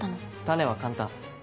種は簡単。